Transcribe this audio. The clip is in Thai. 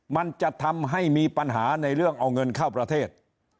มันจะทำให้มีปัญหาในเรื่องเอาเงินเข้าประเทศ